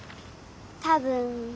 多分。